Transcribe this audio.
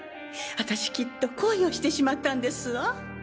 私きっと恋をしてしまったんですわ。